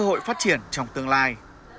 cơ hội phát triển trong tương lai